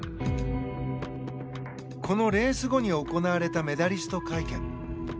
このレース後に行われたメダリスト会見。